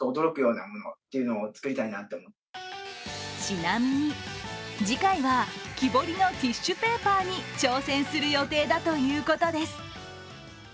ちなみに、次回は木彫りのティッシュペーパーに挑戦する予定だということです。